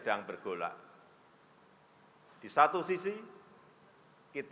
dan berbalan juga diemi empat